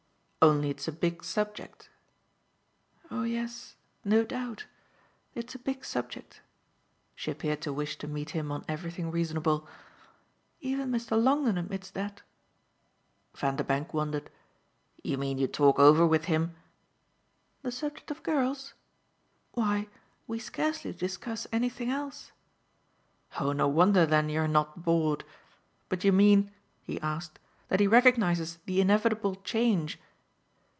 "Only it's a big subject." "Oh yes no doubt; it's a big subject." She appeared to wish to meet him on everything reasonable. "Even Mr. Longdon admits that." Vanderbank wondered. "You mean you talk over with him !" "The subject of girls? Why we scarcely discuss anything else." "Oh no wonder then you're not bored. But you mean," he asked, "that he recognises the inevitable change